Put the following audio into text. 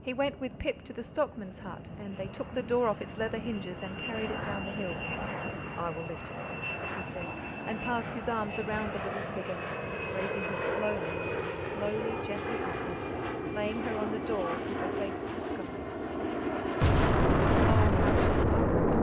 He went with Pip to the stockman's hut; and they took the door off its leather hinges and carried it down the hill. "I will lift her," he said, and passed his arms around the little figure, raising her slowly, slowly, gently upwards, laying her on the door with her face to the sky. But she moaned oh, how she moaned!